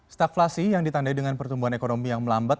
stakflasi yang ditandai dengan pertumbuhan ekonomi yang melambat